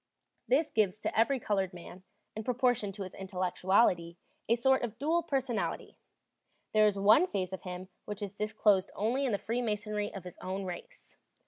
This gives to every colored man, in proportion to his intellectuality, a sort of dual personality; there is one phase of him which is disclosed only in the freemasonry of his own race.